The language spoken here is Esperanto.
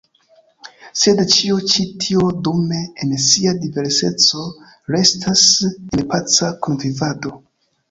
Sed ĉio ĉi tio, dume, en sia diverseco restas en paca kunvivado.